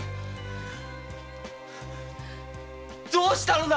どうしたのだ。